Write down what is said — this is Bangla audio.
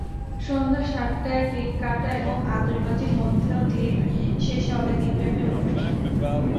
সন্ধ্যা সাতটায় কেক কাটা এবং আতশবাজির মধ্য দিয়ে শেষ হবে দিনব্যাপী অনুষ্ঠান।